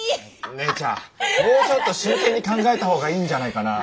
姉ちゃんもうちょっと真剣に考えた方がいいんじゃないかなあ。